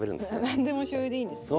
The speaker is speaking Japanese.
何でもしょうゆでいいんですね。